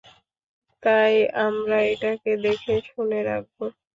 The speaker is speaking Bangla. তাই আমরা এটাকে দেখে-শুনে রাখব।